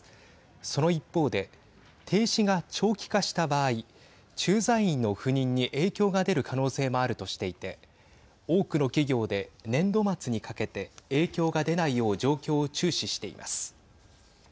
その一方で停止が長期化した場合駐在員の赴任に影響が出る可能性もあるとしていて多くの企業で年度末にかけて影響が出ないよう状況を注視しています。